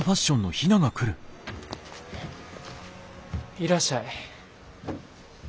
いらっしゃい。